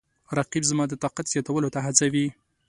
رقیب زما د طاقت زیاتولو ته هڅوي